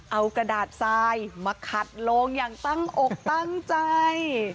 เอากระดาษทรายมาขัดโลงอย่างตั้งอกตั้งใจ